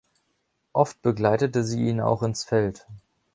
Oft begleitete sie ihn auch ins Feld.